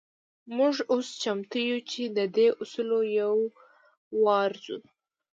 موږ اوس چمتو يو چې د دې اصولو يو وارزوو.